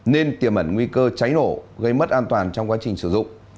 nên tiềm ẩn nguy cơ cháy nổ gây mất an toàn trong quá trình sử dụng